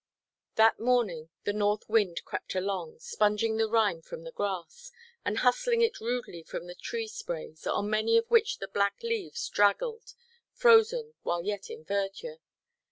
That morning, the north wind crept along, sponging the rime from the grass, and hustling it rudely from the tree–sprays, on many of which the black leaves draggled, frozen while yet in verdure.